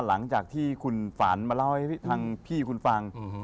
หลังจากที่คุณฝันมาเล่าให้ทางพี่คุณฟัง